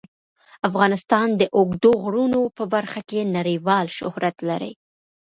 افغانستان د اوږدو غرونو په برخه کې نړیوال شهرت لري.